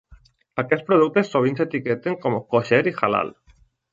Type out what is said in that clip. Aquests productes sovint s'etiqueten com kosher i halal.